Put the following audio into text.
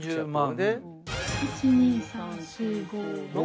１２３４５６。